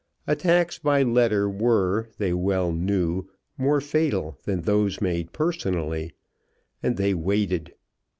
Attacks by letter were, they well knew, more fatal than those made personally, and they waited.